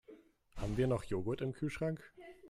Haben wir noch Joghurt im Kühlschrank?